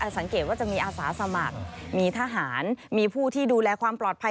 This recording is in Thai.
สังเกตว่าจะมีอาสะสมัครมีทหาร